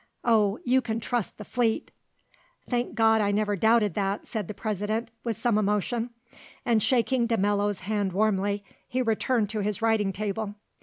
Oh, you can trust the fleet." "Thank God I never doubted that," said the President with some emotion, and shaking de Mello's hand warmly, he returned to his writing table.